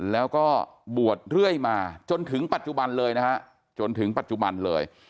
แล้วก็บวชเรื่อยมาจนถึงปัจจุบันเลยนะฮะจนถึงปัจจุบันเลย